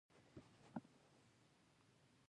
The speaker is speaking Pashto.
افغانستان د پسرلی په اړه علمي څېړنې لري.